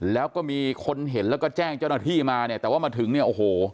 แล้วก็มีคนเห็นแล้วก็แจ้งเจ้าหน้าที่มาเนี่ยแต่ว่ามาถึงเนี่ยโอ้โห